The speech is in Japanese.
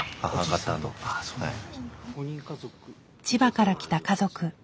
千葉から来た家族。